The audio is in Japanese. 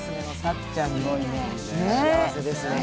幸せですよ。